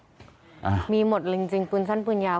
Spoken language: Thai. สพระพระแดงก็แจ้งขอหาไปนะครับ